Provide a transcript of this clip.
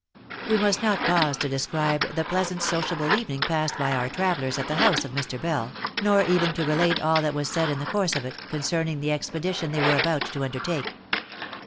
We must not pause to describe the pleasant sociable evening passed by our travellers at the house of Mr. Bell, nor even relate all that was said in the course of it, concerning the expedition they were about to undertake.